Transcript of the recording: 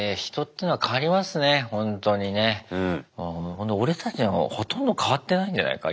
ほんで俺たちはほとんど変わってないんじゃないか？